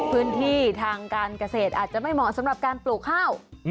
พื้นที่ทางการเกษตรอาจจะไม่เหมาะสำหรับการปลูกข้าว